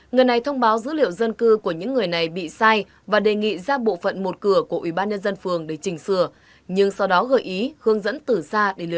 người này thông báo dữ liệu dân cư của những người này bị sai và đề nghị ra bộ phận một cửa của ủy ban nhân dân phường